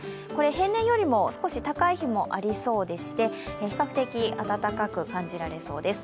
平年よりも少し高い日もありそうでして比較的暖かく感じられそうです。